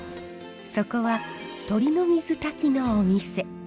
そこは鶏の水炊きのお店。